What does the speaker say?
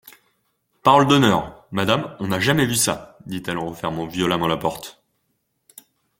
Parole d'honneur ! madame, on n'a jamais vu ça ! dit-elle en refermant violemment la porte.